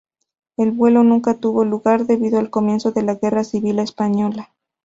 El vuelo nunca tuvo lugar debido al comienzo de la Guerra Civil Española.